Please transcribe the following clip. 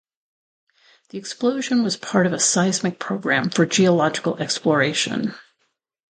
The explosion was a part of a seismic program for geological exploration.